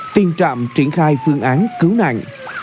tiên trạm triển khai phương án cứu nạn